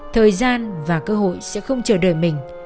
thời gian và cơ hội sẽ không chờ đợi mình